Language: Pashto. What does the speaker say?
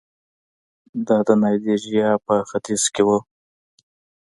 دا په نایجریا په ختیځ کې وو.